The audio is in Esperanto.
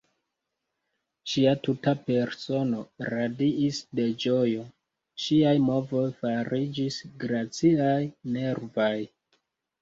Ŝia tuta persono radiis de ĝojo; ŝiaj movoj fariĝis graciaj, nervaj.